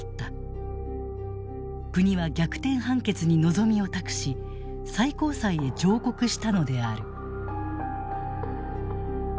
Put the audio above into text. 国は逆転判決に望みを託し最高裁へ上告したのである。